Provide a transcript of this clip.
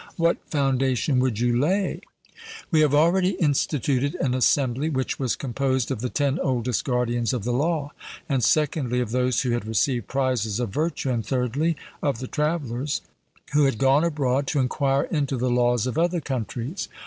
'What foundation would you lay?' We have already instituted an assembly which was composed of the ten oldest guardians of the law, and secondly, of those who had received prizes of virtue, and thirdly, of the travellers who had gone abroad to enquire into the laws of other countries.